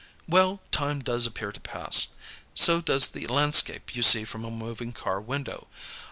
"Well, time does appear to pass. So does the landscape you see from a moving car window.